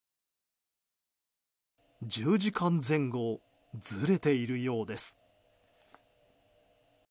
１０時間前後ずれているようです。